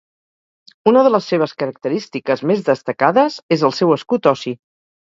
Una de les seves característiques més destacades és el seu escut ossi.